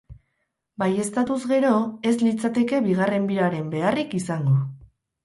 Baieztatuz gero, ez litzateke bigarren biraren beharrik izango.